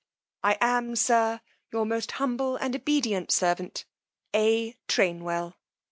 I am, SIR, Your most humble and obedient Servant, A. TRAINWELL.